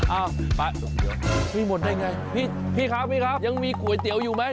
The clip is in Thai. เอาไปเดี๋ยวพี่หมดได้ไงพี่ครับพี่ครับยังมีก๋วยเตี๋ยวอยู่ไหม